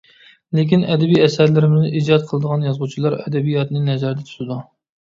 لېكىن ئەدەبىي ئەسەرلەرنى ئىجاد قىلىدىغان يازغۇچىلار ئەدەبىياتنى نەزەردە تۇتىدۇ.